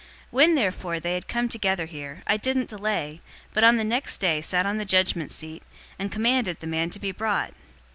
025:017 When therefore they had come together here, I didn't delay, but on the next day sat on the judgment seat, and commanded the man to be brought.